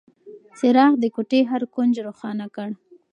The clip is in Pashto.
څراغ د کوټې هر کونج روښانه کړ.